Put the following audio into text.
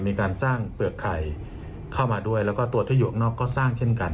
มีการสร้างเปลือกไข่เข้ามาด้วยแล้วก็ตัวที่อยู่ข้างนอกก็สร้างเช่นกัน